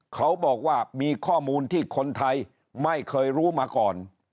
เขาบอกว่ามีข้อมูลที่คนไทยไม่เคยรู้มาก่อน